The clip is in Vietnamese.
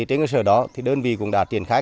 trên cơ sở đó thì đơn vị cũng đã triển khai